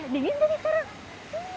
dingin deh sekarang